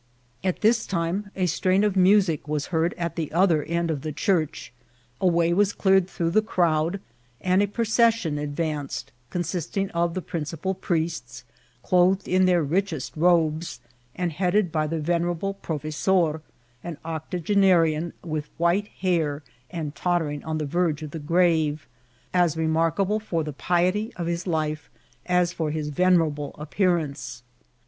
At this time a strain of music was heard at the other end of the church; a way was cleared through the crowd, and a procession advanced, consistiag of the principal priests, clothed in their richest robes, and headed by the Tenerable provesor, an octogenarian with white hair, and tottering on the verge of the gravci as remarkable for the piety of his life as for his venerap ble appearance.